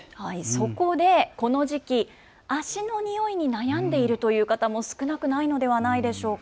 そこでこの時期、足の臭いに悩んでいるという方も少なくないのではないでしょうか。